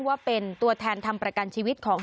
ว่าเป็นตัวแทนทำประกันชีวิตของ